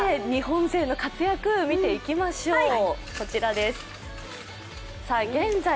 日本勢の活躍を見ていきましょう。